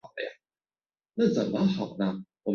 该物种的模式产地在新疆阿尔泰。